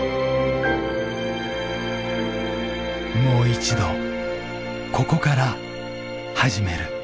もう一度ここから始める。